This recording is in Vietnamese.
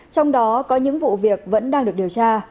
trong đó có những vụ việc vẫn đang được điều tra